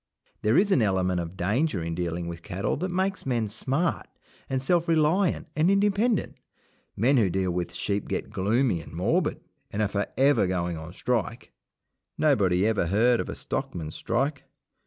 There is an element of danger in dealing with cattle that makes men smart and self reliant and independent. Men who deal with sheep get gloomy and morbid, and are for ever going on strike. Nobody ever heard of a stockman's strike.